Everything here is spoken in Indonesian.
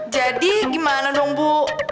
jadi gimana dong bu